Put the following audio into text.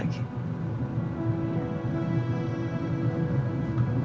sampai jumpa lagi